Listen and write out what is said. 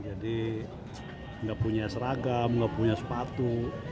jadi nggak punya seragam nggak punya sepatu